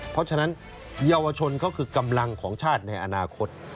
เพราะฉะนั้นเยาวชนเขาคือกำลังของชาติในอนาคต